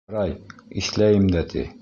Ярай, иҫләйем дә ти.